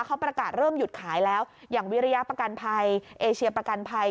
เขาประกาศเริ่มหยุดขายแล้วอย่างวิริยประกันภัยเอเชียประกันภัย